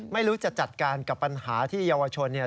ไม่รู้จะจัดการกับปัญหาที่เยาวชนเนี่ย